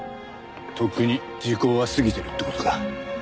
とっくに時効は過ぎてるって事か。